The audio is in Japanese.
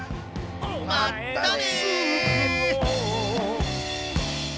まったね。